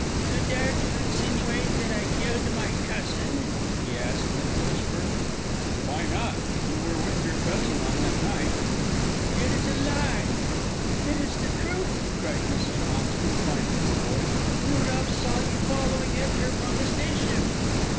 "You dare to insinuate that I killed my cousin?" he asked, in a whisper. "Why not; you were with your cousin on that night." "It is a lie!" "It is the truth!" cried Mrs. Moxton, finding her voice. "Rudolph saw you following Edgar from the station."